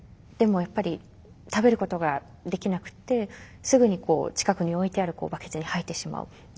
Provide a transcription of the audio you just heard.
でもやっぱり食べることができなくてすぐに近くに置いてあるバケツに吐いてしまう。